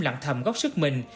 lặng thầm góp sức mình